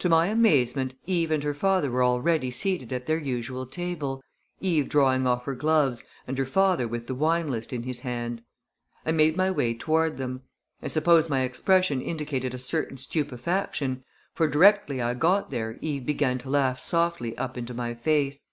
To my amazement Eve and her father were already seated at their usual table Eve drawing off her gloves and her father with the wine list in his hand. I made my way toward them. I suppose my expression indicated a certain stupefaction, for directly I got there Eve began to laugh softly up into my face.